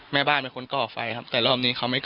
แม่บ้านเป็นคนก่อไฟครับแต่รอบนี้เขาไม่ก